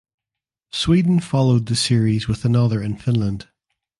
Sweden followed the series with another in Finland.